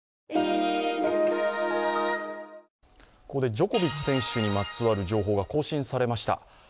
ここでジョコビッチ選手にまつわる情報が更新されました。